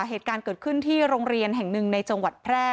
เหตุการณ์เกิดขึ้นที่โรงเรียนแห่งหนึ่งในจังหวัดแพร่